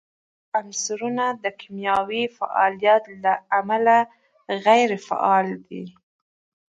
دا عنصرونه د کیمیاوي فعالیت له امله غیر فعال دي.